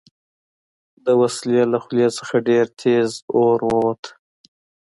د وسلې له خولې څخه ډېر تېز اور ووت